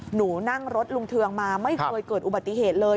หนูนั่งรถลุงเทืองมาไม่เคยเกิดอุบัติเหตุเลย